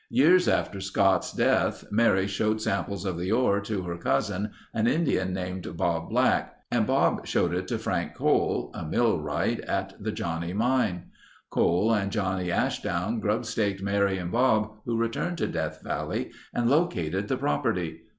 Years after Scott's death, Mary showed samples of the ore to her cousin, an Indian named Bob Black and Bob showed it to Frank Cole, a millwright at the Johnnie Mine. Cole and Jimmy Ashdown grubstaked Mary and Bob, who returned to Death Valley and located the property.